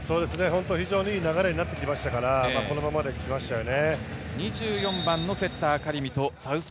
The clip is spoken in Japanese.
非常にいい流れになってきましたから、このままで行きますよね。